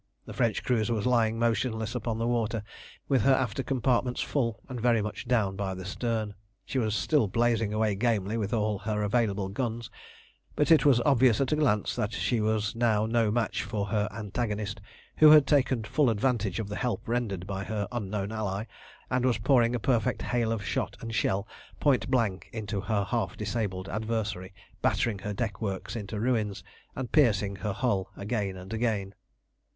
The French cruiser was lying motionless upon the water, with her after compartments full, and very much down by the stern. She was still blazing away gamely with all her available guns, but it was obvious at a glance that she was now no match for her antagonist, who had taken full advantage of the help rendered by her unknown ally, and was pouring a perfect hail of shot and shell point blank into her half disabled adversary, battering her deck works into ruins, and piercing her hull again and again.